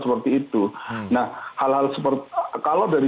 seperti itu nah hal hal seperti kalau dari